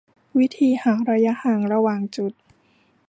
วิธีหาระยะห่างระหว่างจุด